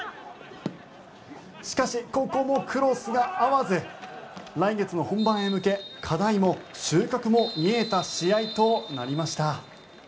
しかし、ここもクロスが合わず来月の本番へ向け課題も収穫も見えた試合となりました。